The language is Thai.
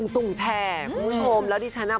สุ่มแชร์คุณผู้ชมแล้วดิฉันน่ะ